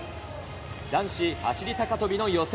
男子走り高跳びの予選。